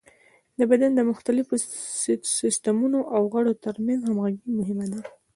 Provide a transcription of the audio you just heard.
د بدن د مختلفو سیستمونو او غړو تر منځ همغږي مهمه ده.